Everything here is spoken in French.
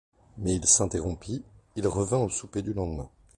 Mais il s'interrompit, il revint au souper du lendemain.